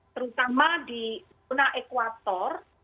terutama di zona ekwator